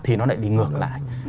thì nó lại đi ngược lại